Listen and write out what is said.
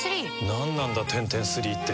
何なんだテンテンスリーって